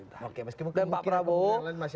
di luar pemerintahan dan pak prabowo